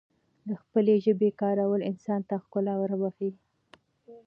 دخپلې ژبې کارول انسان ته ښکلا وربښی